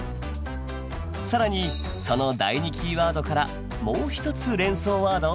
更にその第２キーワードからもう一つ連想ワードを広げる。